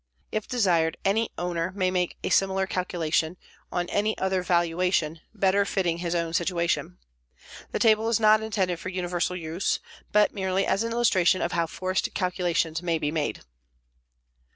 If desired, any owner may make a similar calculation on any other valuation better fitting his own situation. The table is not intended for universal use but merely as an illustration of how forest calculations may be made.